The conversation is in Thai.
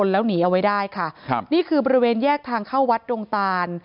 แล้วหนีเอาไว้ได้ค่ะครับนี่คือบริเวณแยกทางเข้าวัดดงตาน